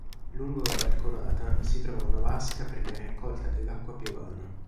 Lungo la balconata si trova una vasca per la raccolta dell'acqua piovana.